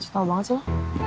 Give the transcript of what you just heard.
tau banget sih lo